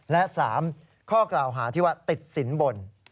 และ๓ข้อกล่าวหาที่ว่าติดสินบน